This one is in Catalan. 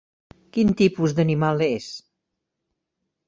Quin tipus d'animal és?